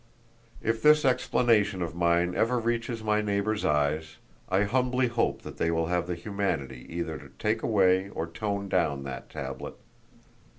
If this explanation of mine ever reaches my neighbours' eyes, I humbly hope they will have the humanity either to take away or tone down that tablet.